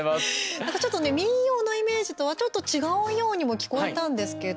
なんかちょっとね民謡のイメージとは、ちょっと違うようにも聞こえたんですけど